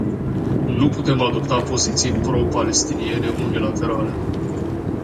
Nu putem adopta poziții pro-palestiniene unilaterale.